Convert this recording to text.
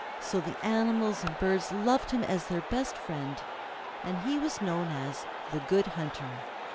So the animals and birds loved him as their best friend, and he was known as the Good Hunter.